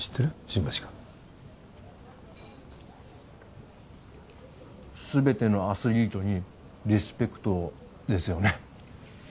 新町くんすべてのアスリートにリスペクトをですよね？